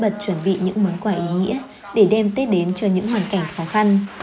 bắt bật chuẩn bị những món quà ý nghĩa để đem tết đến cho những hoàn cảnh khó khăn